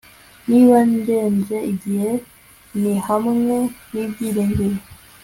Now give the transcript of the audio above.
niba ndenze igihe, ni hamwe n'ibyiringiro